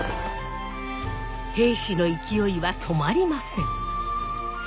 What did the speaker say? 平氏の勢いは止まりません。